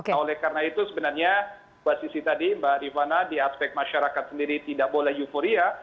nah oleh karena itu sebenarnya dua sisi tadi mbak rifana di aspek masyarakat sendiri tidak boleh euforia